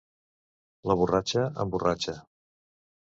La borratxa emborratxa.